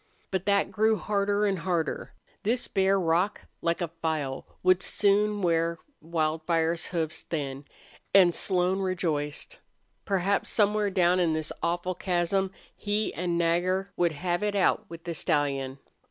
But that grew harder and harder. This bare rock, like a file, would soon wear Wildfire's hoofs thin. And Slone rejoiced. Perhaps somewhere down in this awful chasm he and Nagger would have if out with the stallion.